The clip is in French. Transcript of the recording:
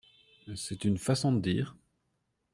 C'est une façon de dire !